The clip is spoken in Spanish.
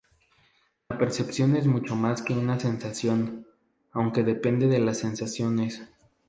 La percepción es mucho más que una sensación, aunque depende de las sensaciones.